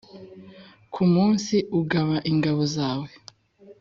Ku munsi ugaba ingabo zawe,